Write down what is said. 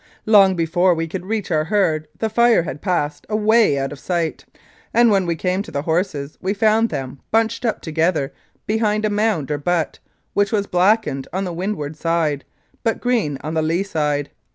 Long before we could reach our herd the fire had passed away out of sight, and when we came to the horses we found them bunched up together behind a mound or butte, which was blackened on the windward side, but green on the lee side.